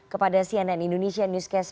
kepada cnn indonesia newscast